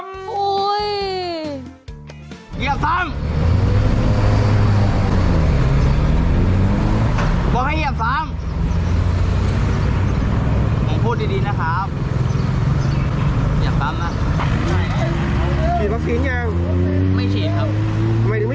ผมพูดดีนะครับอยากปรับนะ